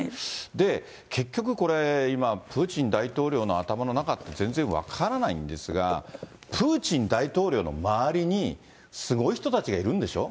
で、結局これ、今、プーチン大統領の頭の中って、全然分からないんですが、プーチン大統領の周りにすごい人たちがいるんでしょ。